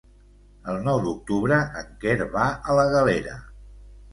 El nou d'octubre en Quer va a la Galera.